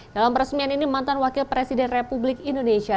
dalam peresmian ini mantan wakil presiden republik indonesia